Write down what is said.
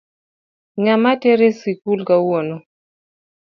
Ng'ama teri sikul kawuono?